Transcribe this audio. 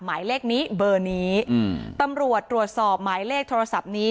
หมายเลขนี้เบอร์นี้อืมตำรวจตรวจสอบหมายเลขโทรศัพท์นี้